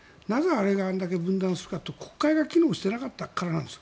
なぜあれがあれだけ分断するかというと国会が機能していなかったからなんです。